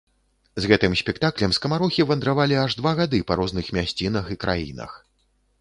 З гэтым спектаклем скамарохі вандравалі аж два гады па розных мясцінах і краінах.